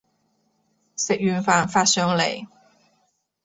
食完飯發上嚟